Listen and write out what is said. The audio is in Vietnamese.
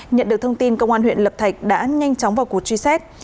nhận được thông tin công an huyện lập thạch đã nhanh chóng vào cuộc truy xét